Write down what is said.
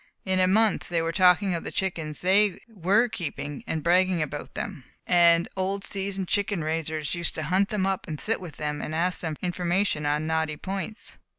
In a month they were talking of the chickens they were keeping, and bragging about them; and old seasoned chicken raisers used to hunt them up and sit with them and ask for information on knotty points.